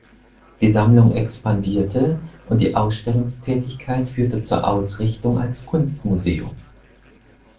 Die Sammlung expandierte und die Ausstellungstätigkeit führte zur Ausrichtung als Kunstmuseum.